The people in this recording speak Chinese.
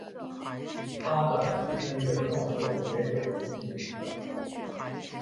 他的室内乐创作也有一定影响。